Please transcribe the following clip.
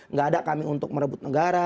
nggak ada kami untuk merebut negara